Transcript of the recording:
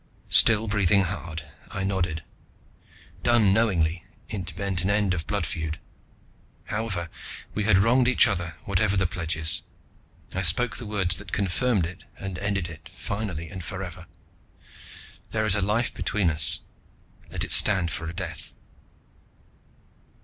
Still breathing hard, I nodded. Done knowingly, it meant an end of blood feud. However we had wronged each other, whatever the pledges. I spoke the words that confirmed it and ended it, finally and forever: "There is a life between us. Let it stand for a death."